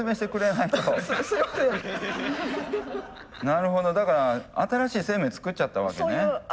なるほどだから新しい生命を作っちゃったわけね。